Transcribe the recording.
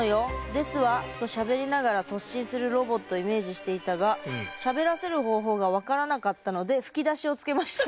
「ですわ！」としゃべりながら突進するロボットをイメージしていたがしゃべらせる方法が分からなかったので吹き出しをつけました。